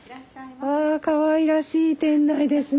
わかわいらしい店内ですね。